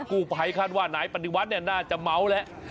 กู้ไพคาดว่านายปฏิวัติน่าจะเมาแล้ว